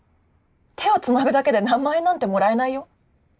手をつなぐだけで何万円なんてもらえないよ。